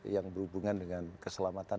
yang berhubungan dengan keselamatan